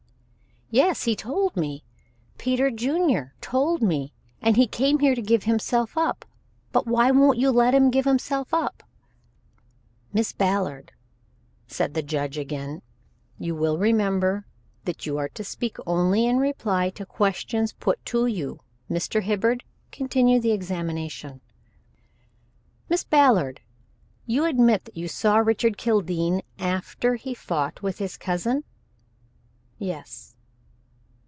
"Yes, he told me, Peter Junior told me, and he came here to give himself up, but you won't let him give himself up." "Miss Ballard," said the judge again, "you will remember that you are to speak only in reply to questions put to you. Mr. Hibbard, continue the examination." "Miss Ballard, you admit that you saw Richard Kildene after he fought with his cousin?" "Yes."